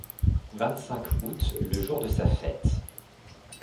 vingt-cinq août le jour de sa fête.